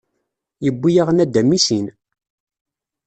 Yewwi-yaɣ nadam i sin.